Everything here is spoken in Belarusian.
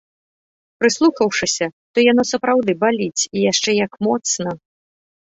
Прыслухаўшыся, то яно сапраўды баліць, і яшчэ як моцна.